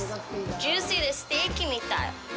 ジューシーでステーキみたい。